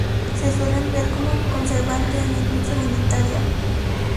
Se suele emplear como conservante en la industria alimentaria.